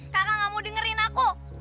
kakak gak mau dengerin aku